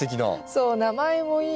そう名前もいいし。